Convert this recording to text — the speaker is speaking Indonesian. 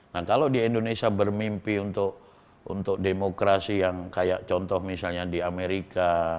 nah kalau di indonesia bermimpi untuk demokrasi yang kayak contoh misalnya di amerika